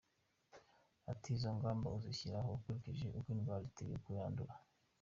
Ati” Izo ngamba uzishyiraho ukurikije uko indwara iteye, uko yandura.